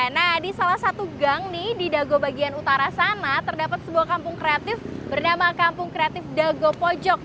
nah di salah satu gang nih di dago bagian utara sana terdapat sebuah kampung kreatif bernama kampung kreatif dago pojok